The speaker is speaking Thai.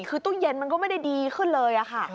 คือตู้เย็นมันก็ไม่ได้ดีขึ้นเลยค่ะ